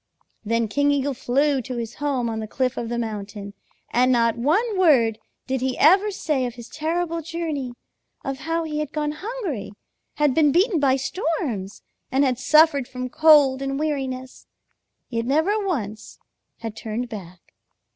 Then King Eagle flew to his home on the cliff of the mountain, and not one word did he ever say of his terrible journey, of how he had gone hungry, had been beaten by storms, and had suffered from cold and weariness, yet never once had turned back.